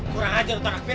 kurang aja ruta kak ferry